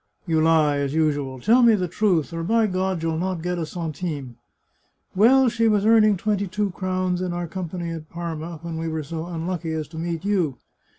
" You lie, as usual. Tell me the truth, or, by God, you'll not get a centime." " Well, she was earning twenty two crowns in our com pany at Parma, when we were so unlucky as to meet you.